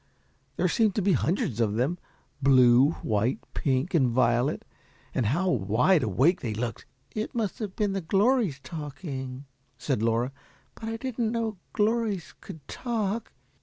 There seemed to be hundreds of them, blue, white, pink, and violet; and how wide awake they looked! "It must have been the 'glories' talking," said Laura, "but I didn't know glories could talk.